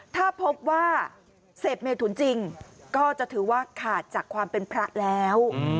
ถ้าพบว่าเสพเมทุนจริงก็จะถือว่าขาดจากความเป็นพระแล้ว